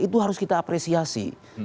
itu harus kita apresiasi